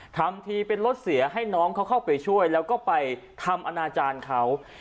ทำทีเป็นรถเสียให้น้องเขาเข้าไปช่วยแล้วก็ไปทำอนาจารย์เขา